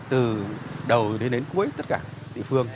từ đầu đến cuối tất cả địa phương